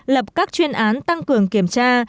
lập các chuyên án tăng cường kiểm tra